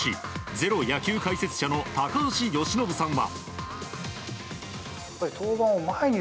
「ｚｅｒｏ」野球解説者の高橋由伸さんは。